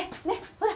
ほら。